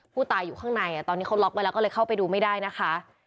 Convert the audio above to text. ผู้ตายอยู่ข้างในตอนนี้เขาล็อกไว้แล้วก็เลยเข้าไปดูไม่ได้นะคะ